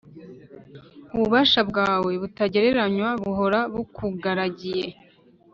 Ububasha bwawe butagereranywa buhora bukugaragiye;